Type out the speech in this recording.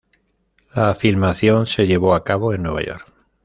La filmación se llevó a cabo en Nueva York.